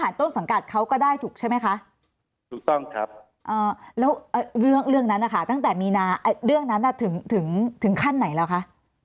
แล้วเรื่องนั้นนะคะตั้งแต่มีนาคมเรื่องนั้นถึงขั้นไหนแล้วคะ